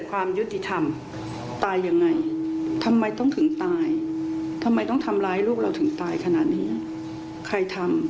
ใครทำคุณแม่ต้องรู้ให้ได้